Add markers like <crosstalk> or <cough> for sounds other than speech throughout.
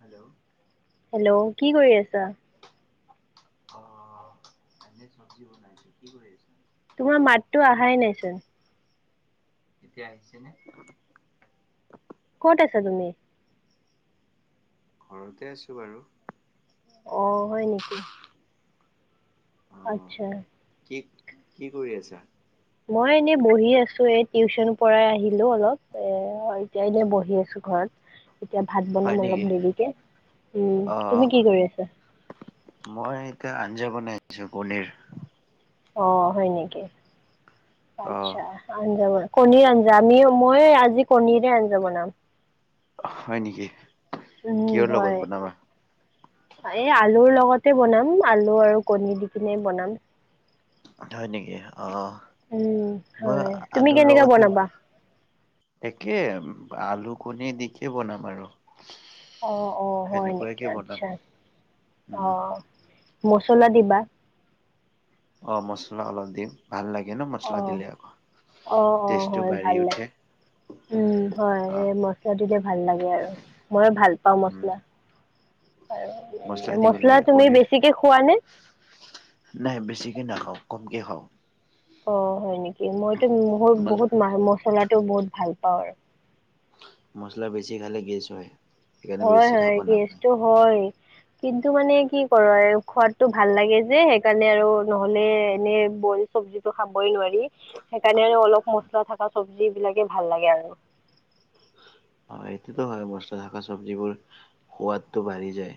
Hello? Hello কি কৰি আছা? অ ভাজি চব্জি বনাইছো, কি কৰি আছ? তোমাৰ মাততো অহাই নাইচোন? এতিয়া আহিছে নে? ক'ত আছা তুমি? ঘৰতে আছো বাৰু। অ হয় নেকি? অ আচ্ছা। কি - কি কৰি আছা? মই এনে বহি আছো, এ টিউচন পৰাই আহিলো অলপ এ এতিয়া এনে বহি আছো ঘৰত। এতিয়া ভাত হয় বনাম অলপ নেকি দেৰিকে, উম অ তুমি কি কৰি আছা? মই এতিয়া আঞ্জা বনাই আছো কণীৰ। অ হয় নেকি? অ আচ্ছা। আঞ্জা, কণীৰ আঞ্জা আমি মই আজি কণীৰে আঞ্জা বনাম। হয় নিকি? উম হয়। এই আলুৰ লগতে বনাম আলু আৰু কণী দি কিনে বনাম। হয় নেকি? অ উম, মই হয়। তুমি আলুৰ কেনেকে লগতে বনাবা? একে আলু, কণী দিকে বনাম আৰু। অ অ হয় নেকি? সেনেকুৱাকে বনাম আচ্ছা, অ উম মচলা দিবা? অ মছলা অলপ দিম ভাল লাগে ন মছলা অ', দিলে আক। অ অ হয় ভাল লাগে, উম হয় অ এ মই অ, তেতিয়া ভাল লাগে আৰু মইয় ভাল পাওঁ উম মছলা আৰু দিব মছলা লাগে তুমি কণীৰ বেছিকে খোৱা নে? নাই বেছিকে নাখাওঁ কমকে খাওঁ। অ, হয় নেকি মইতো মোহোৰ তোমাৰ বহুত মা মছলাটো বহুত ভাল পাওঁ আৰ মছলা বেছি খালে গেছ হয়। সেইকাৰণে হয় বেছি -হয় খাব নাপায় গেছটো হয়। কিন্তু মানে কি কৰোঁ আৰু খোৱাটো ভাল লাগে যে সেইকাৰণে আৰু নহ'লে এনে বইল চব্জিটো খাবই নোৱাৰি সেইকাৰণে আৰু অলপ মচলা থাকা চব্জি বিলাকে ভাল লাগে আৰু। হয় এইটোতো হয় মছলা থকা চব্জিবোৰ সোৱাদটো বাঢ়ি যায়।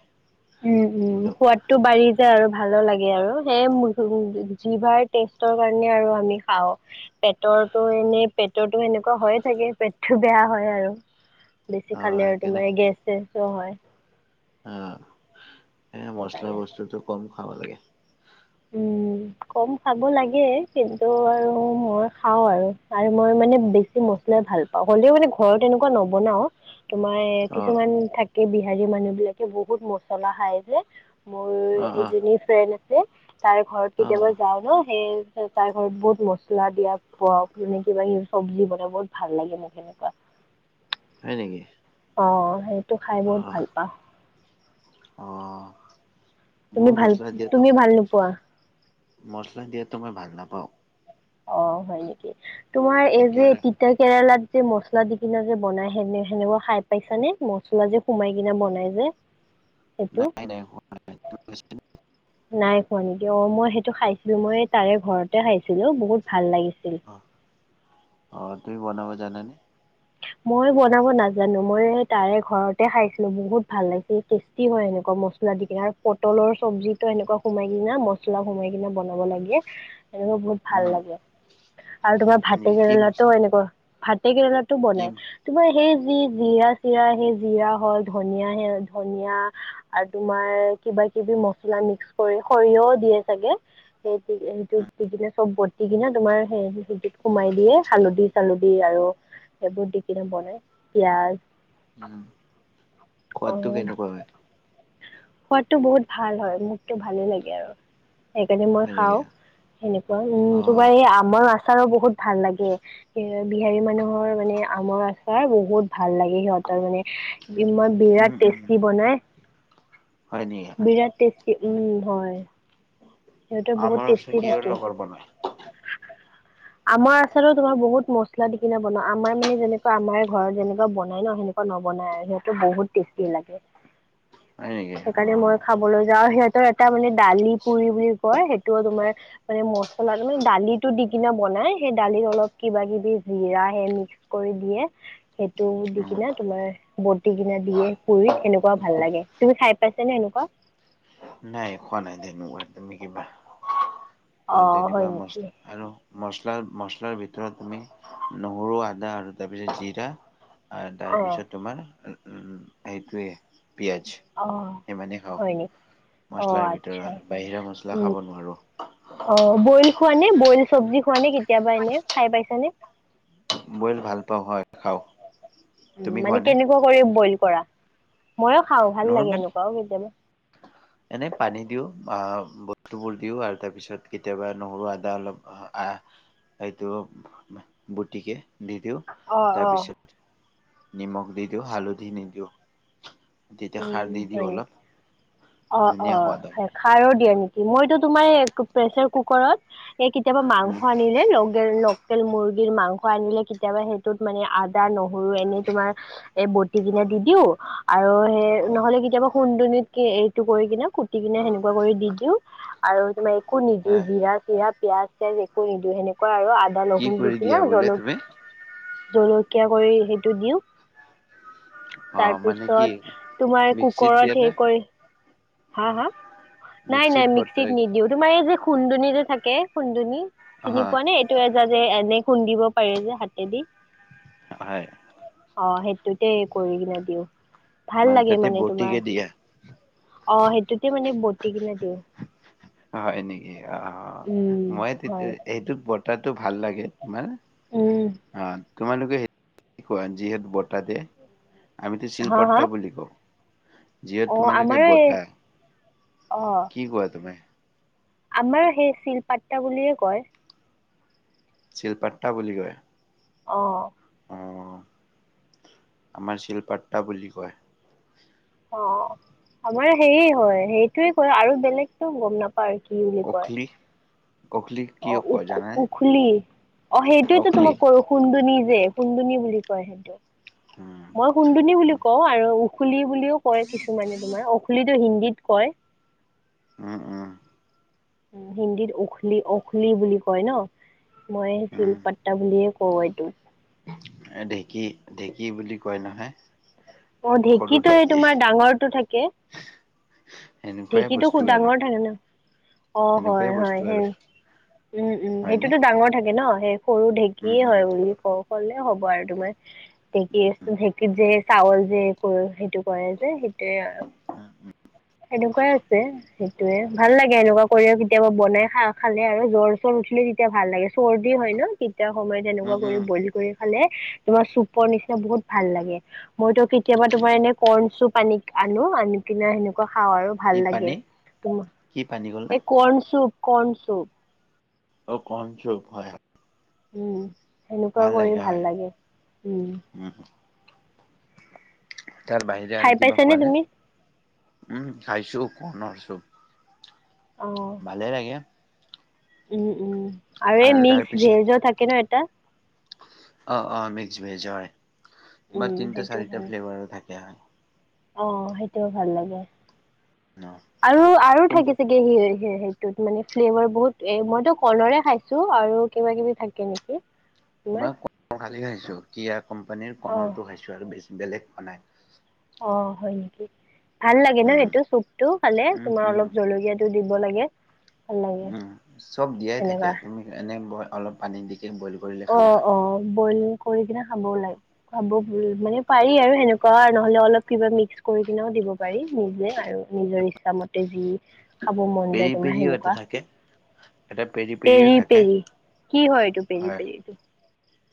উম -উম কিন্তু সোৱাত টো বাঢ়ি যায় আৰু ভালো লাগে আৰু সেয়ে জিভাৰ টেষ্টৰ কাৰণে আৰু আমি খাওঁ। পেটৰটো এনে পেটৰতো এনেকুৱা হয়ে থাকে পেটটো বেয়া হয় আৰু। বেছি অ খালে আৰু সেইকাৰণে তোমাৰ এ গেছ চেছ যে হয়। আ, এ মচলা সেইকাৰণে বস্তুতোটো কম খাব লাগে। উম, কম খাব লাগে কিন্তু আৰু মই খাওঁ আৰু আৰু মই মানে বেছি মছলাই ভাল পাওঁ। হ'লেও মানে ঘৰত এনেকুৱা নবনাওঁ তোমাৰ এ অ কিছুমান থাকে বিহাৰী মানুহ বিলাকে বহুত মচলা খাই যে। মোৰ অ অ এজনী ফ্ৰেণ্ড আছে তাৰ ঘৰত অ কেতিয়াবা যাও ন? সেই সে তাই ঘৰত বহুত মছলা দিয়া পোৱা মানে কিবা কিবি চব্জি বনাই বহুত ভাল লাগে মোক সেনেকুৱা। হয় নেকি? অ, সেইটো খাই অ বহুত ভাল পাওঁ। অ, তুমি মোৰো ভাল মছলা দিয়াতো তুমি ভাল নোপোৱা? মছলা দিয়াতো মই ভাল নাপাওঁ। অ, হয় নেকি তোমাৰ এই যে তি একেবাৰে তিতা কেৰেলাত যে মছলা দি কিনে যে বনাই সেনে -সেনেকুৱা খাই পাইছা নে মচলা যে সোমাই কিনে বনাই যে? সেটো? নাই <unintelligible> নাই খোৱা নেকি অ, মই সেইটো খাইছিলোঁ মই তাৰে ঘৰতে খাইছিলোঁ বহুত ভাল লাগিছিল। অ', অ', তুমি বনাব জানানে? মই বনাব নাজানো মই হে তাৰে ঘৰতে খাইছিলোঁ বহুত ভাল লাগিছিল টেষ্টি হয় সেনেকোৱা মছ মছলা দি কিনে আৰু পটলৰ চব্জিতো এনেকোৱা সোমাই কিনে মচলা সোমাই কিনে বনাব লাগে এনেও বহুত ভাল লাগে উম আৰু তোমাৰ ভাতে কি মছ কেৰেলাতো এনেকুৱা ভাতে কেৰেলাত টো কি বনাই। তোমাৰ সেই যি জিৰা চিৰা সেই জিৰা হ'ল ধনিয় সে ধনিয়া আৰ তোমাৰ কিবা কিবি মছলা মিক্স কৰি সৰিয়হও দিয়ে চাগে সেই সেইটো দি কিনে চব বতি কিনে তোমাৰ সে <unintelligible> সোমাই দিয়ে হালধি-চালধি আৰু এইবোৰ দি কিনে বনাই পিয়াজ উম সোৱাদটো অ', কেনেকুৱা হয় সোৱাদটো বহুত ভাল হয় মোকতো ভালে লাগে আৰু। সেইকাৰণে মই হয় খাও নেকি সেনেকুৱা উম, অ'। তোমাৰ এই আমৰ আচাৰো বহুত ভাল লাগে এ বিহাৰী মানুহৰ মানে আমৰ আচাৰ বহুত ভাল লাগে সিহঁতৰ মানে ইমান উম, বিৰাট উম। টেষ্টি বনাই হয় নেকি? বিৰাট টেষ্টি উম হয়। সিহঁতে বহুত আমাৰ ওচৰত টেষ্টি কিহৰ লগত বনাই আমৰ আচলতে তোমাৰ বহুত মছলা দিকেনে বনাও আমাৰ মানে যেনেকোৱা আমাৰ ঘৰত যেনেকোৱা বনাই ন'সেনেক অ, নবনাই সেইটো বহুত টেষ্টি লাগে। হয় নেকি সেইকাৰণে মই অ', খাবলৈ যাওঁ সিহঁতৰ এটা মানে দালি পুৰি বুলি কয় সেইটোও তোমাৰ মানে মচলা মানে দালিটো দি কিনে বনাই সেই দালিত অলপ কিবা -কিবি জিৰা সে মিক্স কৰি দিয়ে সেইটো দি উম। কিনে তোমাৰ বটি কিনা দিয়ে পুৰিত এনেকুৱাও ভাল লাগে, তুমি খাই পাইছা নে এনেকোৱা। নাই খোৱা নাই তেনেকুৱা তুমি কিবা অ, অঁ হয় তেনেকোৱা নেকি মছলা আৰু মচলা-মছলাৰ ভিতৰত তুমি নহৰু আদা আৰু তাৰ পিছত জিৰা অঁ তাৰপিছত তোমাৰ সেইটোৱে পিঁয়াজ। অ, হয় নেকি? অঁ মছলাৰ আচ্ছা ভিতৰত বাহিৰা মছলা খাব নোৱাৰো। অ, বইল খোৱা নে বইল চব্জি খোৱা নে কেতিয়াবা এনে খাই পাইছ নে? বইল ভাল পাও হয় খাও। উম, মানে কেনেকুৱা কৰি বইল কৰা ময়ো খাও ভাল লাগে নৰ্মেল এনেকোৱাও কেতিয়াবা। এনে পানী দিও আহ বস্তুবোৰ দিও আৰু তাৰপিছত কেতিয়াবা নহৰু আদা অলপ আহ সেইটো বুটিকে দি দিও। অ', অ', নিমখ দি দিও হালধি নিদিও। উম, হয় অলপ নেকি অ', ধুনীয়া অ', সোৱাদ হয় খাৰো দিয়ে নেকি মইতো তোমাৰ প্ৰেচাৰ কুকাৰত এ কেতিয়াবা মাংস উম আনি লোকেল মুৰ্গীৰ মাংস আনিলে কেতিয়াবা সেইটোত মানে আদা, নহৰু এনে তোমাৰ এই বতি কিনে দি দিও আৰু এ হয় নহ'লে কেতিয়াবা সুন্দুনিত এইটো কৰি কিনে কুটি কিনে সেনেকোৱা কৰি দি দিও। আৰু তোমাৰ একো নিদিও হয় জিৰা-চিৰা পিয়াজ চিয়াজ একো নিদিও সেনেকুৱা আৰু আ তাত কি নহৰু দি কৰি কিনে দিয়া বোলে তুমি জলকীয়া জলকীয়া কৰি সেইটো দিও। অহ, মানে কি? তোমাৰ মিক্সিত দিয়া কুকৰত হে নে কৰি হা-হা? নাই-নাই মিক্সিত নিদিও তোমাৰ এই যে খুন্দুনি যে থাকে খুন্দুনি চিনি হয় পোৱা নে? ত এজনে যে এনে খুন্দিব পাৰে যে হাতেদি। হয়। অ, সেইটোতে কৰি কিনে দিও। ভাল লাগে তাতে মানে তোমাৰ বটিকে দিয়া অ, সেইটোতে মানে বতি কিনে দিও। হয় নেকি অ, মই তেতিয়া হয় এইটোক বতাটো ভাল লাগে। মানে উম অহ, তোমালোকে কোৱা যিহেত বতাহতে আমিতো হা হা শিলপাট্টা বুলি কও। যিহেতু অ তোমালোকে আমাৰ এই বতাহ অ কি কোৱা তুমি? আমাৰ সেই চিলপাট্টা বুলিয়ে কয়। চিলপাট্টা বুলি কয়। অহ', অহ, আমাৰ চিলপাট্টা বুলি কয়। অহ, আমাৰ হেয়ে হয় সেইটোয়ে কয় আৰু বেলেগতটো গম নাপাও কি বুলি কয়। কখলি অহ, উখ-উখলি অহ, সেইটোয়তো অখলি তোমাক কৰো। খুন্দুনী যে খুন্দুনী বুলি কয়, সেইটো উম, মই সুন্দুনী বুলি উম, কও আৰু খুলি বুলিও কয়, কিছুমানে তোমাৰ অখুলী হিন্দীত কয়। উম-উম। হিন্দীত উখলি-উখলি বুলি কয় ন। মই চিল উম, পাট্টা বুলিয়ে কও এইটো। ঢেকী-ঢেকী বুলি কয় নহয়। অহ, সৰু ঢেকীটো এই ঢেঁকী তোমাৰ ডাঙৰটো থাকে। সেনেকুৱাই ঢেকীটো বস্তু খুব আৰু ডাঙৰ থাকে ন অহ, সেনেকুৱাই হয়-হয় বস্তু হে আৰু উম-উম হয়নে? সেইটোতো ডাঙৰ থাকে ন সেই সৰু উম, ঢেকীয়ে উম, হয় উলি কও। কলে হ'ব আৰু তোমাৰ ঢেকী-ঢেকীত যে চাউল যে কৰ সেইটো কৰে যে সেইটোৱে এনেকুৱাই আছে। সেইটোয়ে ভাল লাগে এনেকুৱা কৰি কেতিয়াবা বনাই খাই খালে আৰু জ্বৰ - চৰ উঠিলে তেতিয়া ভাল লাগে। চৰ্দি হয় ন কেতিয়া সময়ত উম, এনেকুৱা কৰি উম, ব্ৰইল কৰি খালে তোমাৰ চুপৰ নিচিনা বহুত ভাল লাগে। মইতো কেতিয়াবা তোমাৰ এনে কৰ্ণচুপ আনি আনো আনিকিনে সেনেকুৱা খাওঁ আৰু ভাল কি লাগে, পানী কি পানী ক'লা? তোমাৰ এই কণ চুপ - কণ চুপ। অহ কণচুপ হয় হয়। উম, সেনেকুৱাও কৰি ভাল লাগে উম। উমহো, তাৰ বাহিৰে খাই আৰু কিবা পাইছানে খোৱা নে? তুমি উম চাইছো কণৰ চুপ। অঁহ। ভালে লাগে। উম উম আৰু এই মিক্স ভেজো থাকে ন এটা? অঁহ অঁহ মিক্স ভেজ হয়, উম বাত তিনিটা - সেইটো চাৰিটা ফ্লেভাৰো থাকে হয়। অহ সেইটোও ভাল লাগে ন' আৰু - আৰু কোনটো থাকি যে হে হে সেইটোত মানে ফ্লেভাৰ বহুত এ মইতো কৰ্ণৰে খাইছো আৰু কিবা - কিবি থাকে নেকি? <unintelligible> মই কৰ্ণখালি খাইছো, কিয়া কোম্পানীৰ অ কৰ্ণৰটো খাইছো আৰু বেছি বেলেগ খোৱা নাই। অঁহ হয় নেকি? ভাল লাগে ন উম, সেইটো চুপটো খালে উম, তোমাৰ উম, অলপ জলকীয়া তো দিব লাগে। ভাল লাগে উম চব দিয়াই থাকে, সেনেকুৱা তুমি এনে অলপ পানী দিকে বইল কৰিলে অ খালে হয়। অ বইল কৰি কিনে খাবও লাগে। খাব মানে পাৰি আৰু সেনেকুৱা নহ'লে অলপ কিবা মিক্স কৰি কিনেও দিব। পাৰি নিজে আৰু নিজৰ ইচ্ছা মতে যি খাব মন পেৰি যায় তোমাৰ পেৰিও এটা সেনেকুৱা। থাকে এটা পেৰিফ পেৰি - পেৰি কি হয় এইটো পেৰি - পেৰি এইটো?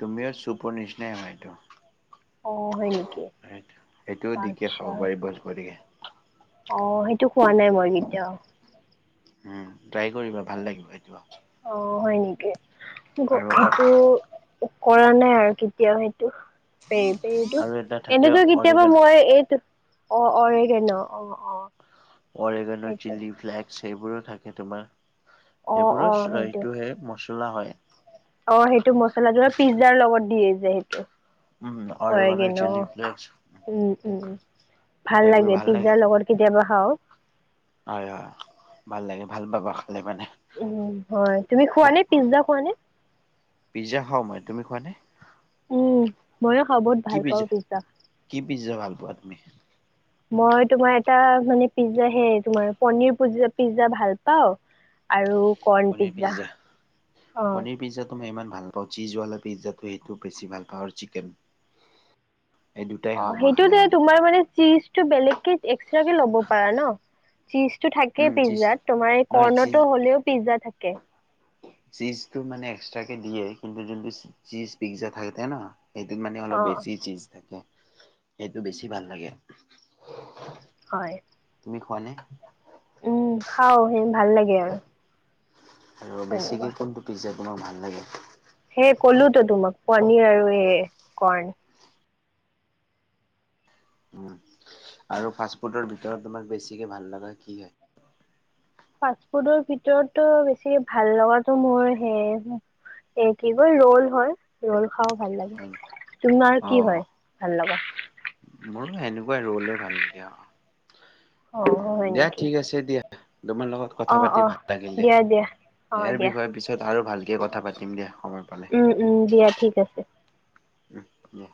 তুমিও চুপৰ নিচিনাই হয়টো। অ হয় নি? সেইটো সেইটোও দিকে খাব পাৰি ব্ৰইল কৰিকে। অহ সেইটো খোৱা নাই মই কেতিয়াও। উম, ট্ৰাই কৰিবা ভাল লাগিব এইতোও। অহ হয় নেকি? গ সেইটো কৰা নাই আৰু কেতিয়াও সেইটো পে পেটো আৰু এটা থাকে এনেতো কেতিয়াবা অৰেগন মই এই অ অ ন অ অ। অৰেগানৰ সেইটো চিলি ফ্লেক্স এইবোৰো থাকে তোমাৰ। অ' অ' এইবোৰৰ চ সেইটো এইটোহে মচলা হয়। অ সেইটো মছলা জোল পিজ্জাৰ লগত দিয়েই যে সেইটো। উম, হয়গে অৰেগনৰ ন চিলি ফ্লেক্স উম উম উম। ভাল লাগে পিজ্জা লগত কেতিয়াবা খাওঁ। হয় হয়, ভাল লাগে ভাল পাবা খালে মানে। উম হয় তুমি খোৱা সোৱাদ নে পিজ্জা খোৱা নে? পিজ্জা খাওঁ মই তুমি খোৱা নে? উম ময়ো খাওঁ বহুত ভাল পাওঁ পিজ্জা। কি পিজ্জা ভাল পোৱা তুমি? মই তোমাৰ এটা মানে পিজ্জা হে তোমাৰ পনিৰ পজ্জা পিজ্জা ভাল পাওঁ। আৰু কৰ্ণ পনীৰ পিজ্জা অ। তুমি ইমান ভাল নাপাওঁ চীজোৱালা পিজ্জাটো সেইটো বেছি ভাল পাওঁ আৰু চিকেন। এই দুটাই অ খাওঁ মই সেইটো খালে তোমাৰ মানে চিজটো বেলেগকে এক্সট্ৰাকে ল'ব পাৰা ন, চিজটো থাকেই উম, চীজ পিজ্জাত তোমাৰ এই নহয় কৰ্ণটো হ'লেও পিজ্জা থাকে। চিজটো মানে এক্সট্ৰাকে দিয়ে কিন্তু যোনতু চিজ পিজ্জা থাকে ন সেইটোত মানে অ অলপ বেছি চিজ থাকে সেইটো বেছি ভাল লাগে। হয়। তুমি খোৱা নে? উম, খাওঁ সি ভাল লাগে আৰু। আৰু সেনেকুৱা বেছিকৈ কোনটো পিজ্জা তোমাৰ ভাল লাগে? সেই ক'লোতো তোমাক পনীৰ আৰু এই কৰ্ণ। উম আৰু ফাষ্ট ফুডৰ ভিতৰত তোমাক বেছিকে ভাল লগা কি হয়? ফাষ্টফুডৰ ভিতৰতটো বেছি ভাল লগাটো মোৰ সে এ কি কয় ৰল হয় ৰল খাওঁ ভাল লাগে, তোমাৰ অ কি হয় ভাল লগা? মোৰো সেনেকুৱাই ৰলে ভাল লাগে আউ, অ হয় দিয়া নেকি ঠিক আছে দিয়া। এ দুমা লগত অ কথা অ পাতি ভাল লাগিল দে, দিয়া দিয়া অ ইয়াৰ দিয়া বিষয়ে পিছত আৰু ভালকে কথা পাতিম দিয়া সময় পালে। উম উম দিয়া ঠিক আছে। উম লহ।